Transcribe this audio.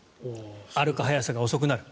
歩く速さが遅くなる。